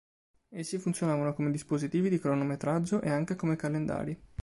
Essi funzionavano come dispositivi di cronometraggio e anche come calendari.